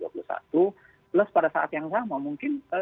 plus pada saat yang sama mungkin